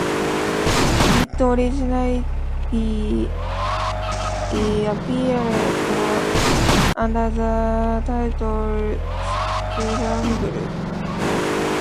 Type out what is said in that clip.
It originally appeared under the title "Scramble".